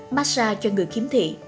massage cho người khiếm thị